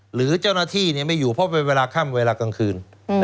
หรือเจ้าหน้าที่ไม่อยู่เพราะเป็นเวลาค่ำเวลากลางคืน